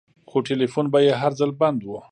خو ټېلفون به يې هر ځل بند و.